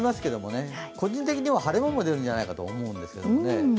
個人的には晴れ間も出るんじゃないかと思うんですけどね。